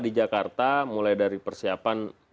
di jakarta mulai dari persiapan